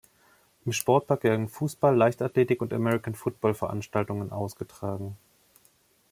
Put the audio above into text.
Im Sportpark werden Fußball-, Leichtathletik- und American-Football-Veranstaltungen ausgetragen.